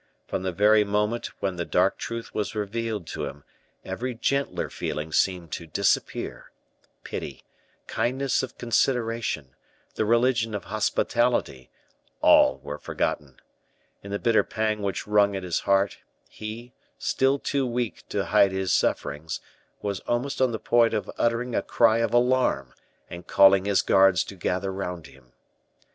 From the very moment when the dark truth was revealed to him, every gentler feeling seemed to disappear; pity, kindness of consideration, the religion of hospitality, all were forgotten. In the bitter pang which wrung his heart, he, still too weak to hide his sufferings, was almost on the point of uttering a cry of alarm, and calling his guards to gather round him.